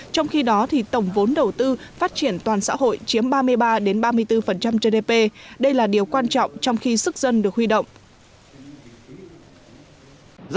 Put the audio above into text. trong khi đó tổng vốn đầu tư phát triển toàn xã hội chiếm ba mươi ba ba mươi bốn gdp đây là điều quan trọng trong khi sức dân được huy động